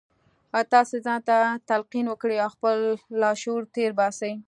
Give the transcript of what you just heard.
تاسې ځان ته تلقین وکړئ او خپل لاشعور تېر باسئ